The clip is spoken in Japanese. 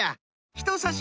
ひとさし